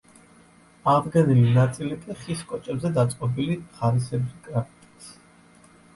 აღდგენილი ნაწილი კი ხის კოჭებზე დაწყობილი ღარისებრი კრამიტით.